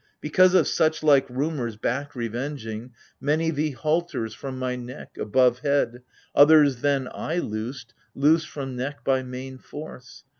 Because of suchlike rumours back revenging. AGAMEMNON. 71 Many the halters from my neck, above head, Others than /loosed— loosed from neck by main force